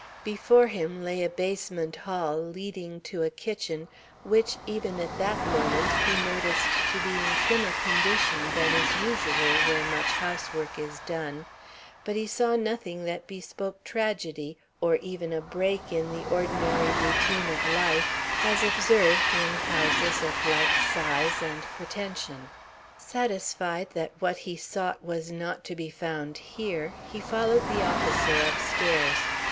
Before him lay a basement hall leading to a kitchen, which, even at that moment, he noticed to be in trimmer condition than is usual where much housework is done, but he saw nothing that bespoke tragedy, or even a break in the ordinary routine of life as observed in houses of like size and pretension. Satisfied that what he sought was not to be found here, he followed the officer upstairs.